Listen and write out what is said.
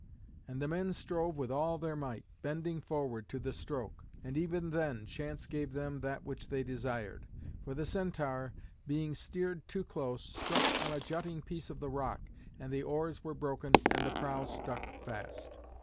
And the men strove with all their might, bending forward to the stroke. And even then chance gave them that which they desired. For the Centaur, being steered too close, struck on a jutting piece of the rock, and the oars were broken, and the prow stuck fast.